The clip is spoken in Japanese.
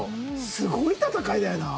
すごい戦いだよな！